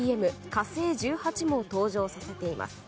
「火星１８」も登場させています。